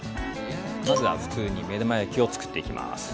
まずは普通に目玉焼きをつくっていきます。